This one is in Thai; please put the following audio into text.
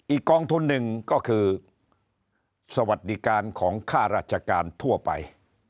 กองทุนหนึ่งก็คือสวัสดิการของค่าราชการทั่วไป